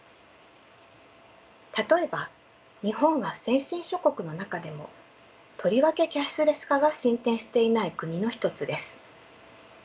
例えば日本は先進諸国の中でもとりわけキャッシュレス化が進展していない国の一つです。